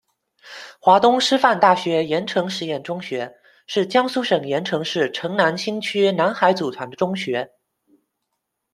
华东师范大学盐城实验中学，是江苏省盐城市城南新区南海组团的中学。